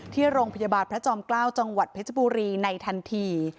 ที่โรงพยาบาลพระจอมเกล้าจังหวัดเพชรบุรีในทันที